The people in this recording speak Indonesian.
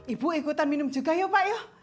ibu ikutan minum juga yuk pak